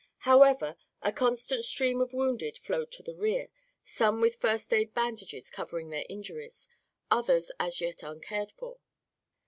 However, a constant stream of wounded flowed to the rear, some with first aid bandages covering their injuries, others as yet uncared for.